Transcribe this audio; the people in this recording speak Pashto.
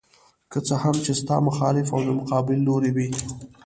که څه هم چې ستا مخالف او د مقابل لوري وي.